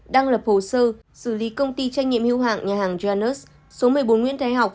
đang lập hồ sơ xử lý công ty trách nhiệm hưu hạng nhà hàng janus số một mươi bốn nguyễn thái học